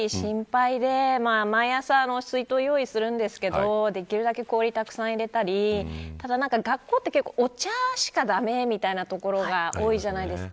なかなか連日厳しくて子どものことがすごい心配で毎朝、水筒を用意するんですけどできるだけ氷をたくさん入れたりただ学校って、お茶しか駄目みたいなところが多いじゃないですか。